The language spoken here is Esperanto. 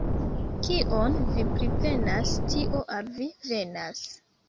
Kion vi pripenas, tio al vi venas.